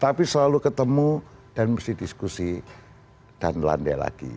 tapi selalu ketemu dan mesti diskusi dan landai lagi